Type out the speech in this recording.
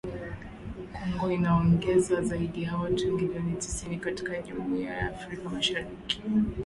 Kongo inaongeza zaidi ya watu milioni tisini katika Jumuiya ya Afrika Mashariki